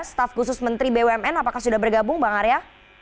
staf khusus menteri bumn apakah sudah bergabung bang arya